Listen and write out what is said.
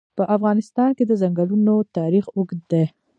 په افغانستان کې د ځنګلونه تاریخ اوږد دی.